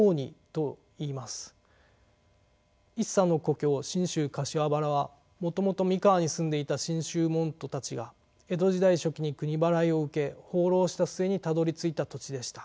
一茶の故郷信州・柏原はもともと三河に住んでいた真宗門徒たちが江戸時代初期に国払いを受け放浪した末にたどりついた土地でした。